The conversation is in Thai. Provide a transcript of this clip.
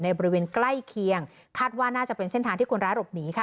บริเวณใกล้เคียงคาดว่าน่าจะเป็นเส้นทางที่คนร้ายหลบหนีค่ะ